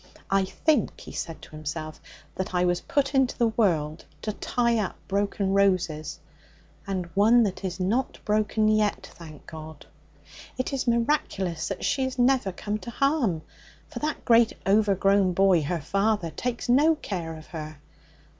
I think,' he said to himself, 'that I was put into the world to tie up broken roses, and one that is not broken yet, thank God! It is miraculous that she has never come to harm, for that great overgrown boy, her father, takes no care of her.